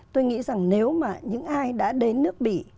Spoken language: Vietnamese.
tôi nghĩ rằng nếu mà những ai đã đến nước bỉ